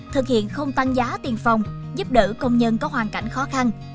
thực hiện không tăng giá tiền phòng giúp đỡ công nhân có hoàn cảnh khó khăn